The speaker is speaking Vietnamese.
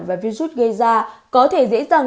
và virus gây ra có thể dễ dàng